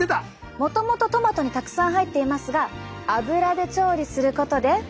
もともとトマトにたくさん入っていますが油で調理することで。